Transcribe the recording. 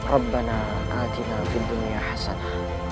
rabbana atina fid dunia hasana